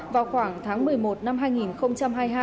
vào khoảng tháng một mươi một năm hai nghìn hai mươi hai